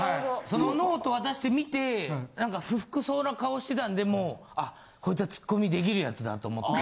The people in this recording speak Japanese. そのノート渡して見て何か不服そうな顔してたんでもうあっこいつはツッコミできる奴だと思って。